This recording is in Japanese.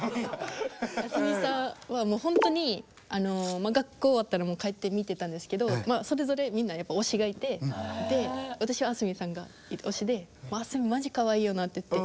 あすみさんはもうほんとに学校終わったらもう帰って見てたんですけどそれぞれみんなやっぱ推しがいてで私はあすみさんが推しで「あすみマジかわいいよな」って言って。